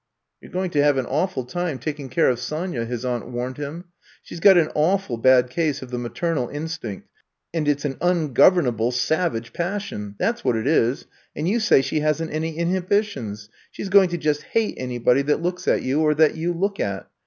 You 're going to have an awful time taking care of Sonya," his aunt warned him. ^* She 's got an awful bad case of the maternal instinct, and it 's an ungovern able, savage passion — ^that 's what it is. And you say she hasn't any inhibitions. She 's going to just hate anybody that looks at you or that you look at.